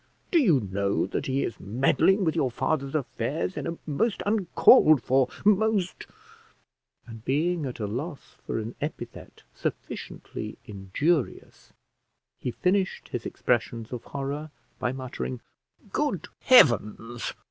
Do you know that he is meddling with your father's affairs in a most uncalled for most " And being at a loss for an epithet sufficiently injurious, he finished his expressions of horror by muttering, "Good heavens!"